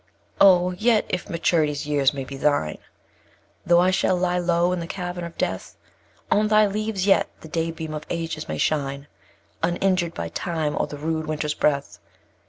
7. Oh! yet, if Maturity's years may be thine, Though I shall lie low in the cavern of Death, On thy leaves yet the day beam of ages may shine, [i] Uninjured by Time, or the rude Winter's breath.